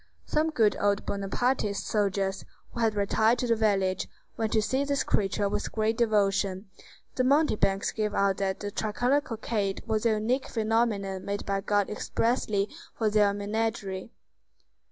Some good old Bonapartist soldiers, who had retired to the village, went to see this creature with great devotion. The mountebanks gave out that the tricolored cockade was a unique phenomenon made by God expressly for their menagerie.